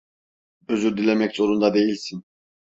Özür dilemek zorunda değilsin.